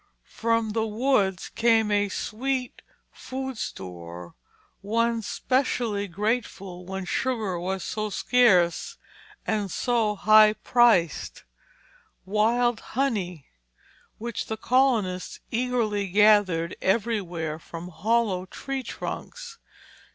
From the woods came a sweet food store, one specially grateful when sugar was so scarce and so high priced, wild honey, which the colonists eagerly gathered everywhere from hollow tree trunks.